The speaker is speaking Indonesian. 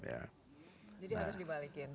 jadi harus dibalikin